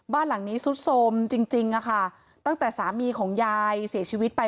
บ้านหลังนี้ซุดโสมจริงตั้งแต่สามีของยายเสียชีวิตไป